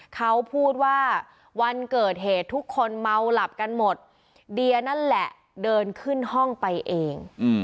เขาพูดว่าวันเกิดเหตุทุกคนเมาหลับกันหมดเดียนั่นแหละเดินขึ้นห้องไปเอง